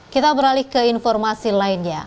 kita beralih ke informasi lainnya